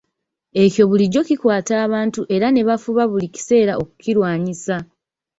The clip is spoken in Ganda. Ekyo bulijjo kikwata abantu era ne bafuba buli kiseera okukirwanyisa.